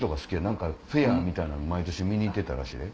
何かフェアみたいなの毎年見に行ってたらしいで。